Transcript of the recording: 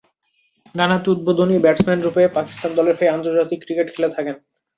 ডানহাতি উদ্বোধনী ব্যাটসম্যানরূপে পাকিস্তান দলের হয়ে আন্তর্জাতিক ক্রিকেট খেলে থাকেন।